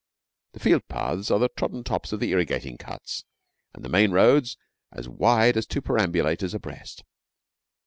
The field paths are the trodden tops of the irrigating cuts, and the main roads as wide as two perambulators abreast.